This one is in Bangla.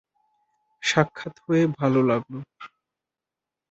সাক্ষাৎ হয়ে ভালো লাগলো!